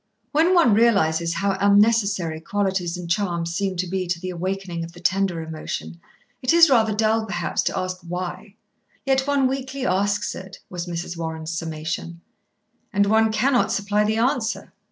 "When one realises how unnecessary qualities and charms seem to be to the awakening of the tender emotion, it is rather dull, perhaps, to ask why. Yet one weakly asks it," was Mrs. Warren's summation. "And one cannot supply the answer.